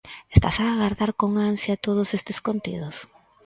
Estás a agardar con ansia todos estes contidos?